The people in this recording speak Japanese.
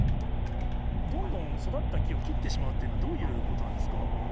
どんどん育った木を切ってしまうというのは、どういうことなんですか？